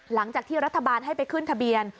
หลังจากที่รัฐบาลให้ไปขึ้นทะเบียน